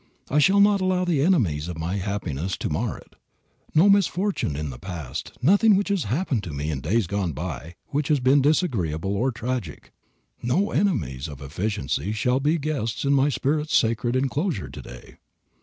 I shall not allow the enemies of my happiness to mar it. No misfortune in the past, nothing which has happened to me in days gone by, which has been disagreeable or tragic, no enemies of my efficiency, shall be guests in my spirit's sacred enclosure to day.